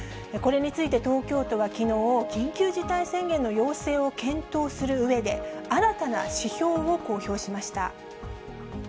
これについて東京都はきのう、緊急事態宣言の要請を検討するうえで、新たな指標を公表しました。